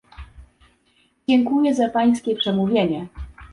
Dziękuję za pańskie przemówienie